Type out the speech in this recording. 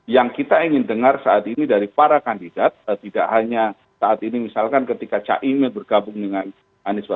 yang kita ingin dengar saat ini dari para kandidat tidak hanya saat ini misalkan ketika caimin bergabung dengan anies baswedan